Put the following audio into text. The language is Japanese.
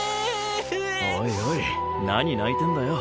おいおい何泣いてんだよ